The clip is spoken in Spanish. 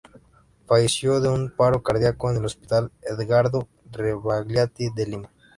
Falleció de un paro cardíaco en el hospital Edgardo Rebagliati de Lima.